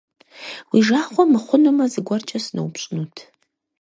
Уи жагъуэ мыхъунумэ, зыгуэркӀэ сыноупщӀынут.